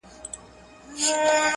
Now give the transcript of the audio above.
علم ته تلکه سوه عقل لاري ورکي کړې!!